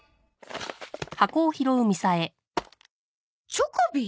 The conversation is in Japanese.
チョコビ？